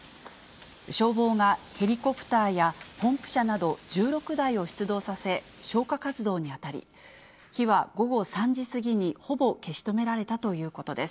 消防がヘリコプターやポンプ車など１６台を出動させ、消火活動に当たり、火は午後３時過ぎにほぼ消し止められたということです。